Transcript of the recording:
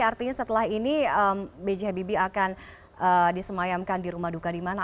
artinya setelah ini b j habibie akan disemayamkan di rumah duka di mana